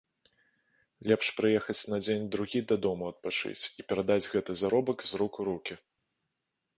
Лепш прыехаць на дзень-другі дадому адпачыць і перадаць гэты заробак з рук у рукі.